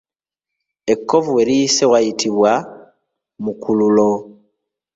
Ekkovu we liyise wayitibwa mukululo.